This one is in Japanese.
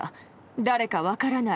誰か分からない。